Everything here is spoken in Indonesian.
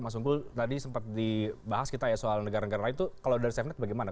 mas unggul tadi sempat dibahas kita ya soal negara negara lain itu kalau dari safenet bagaimana